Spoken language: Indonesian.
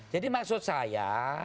jadi maksud saya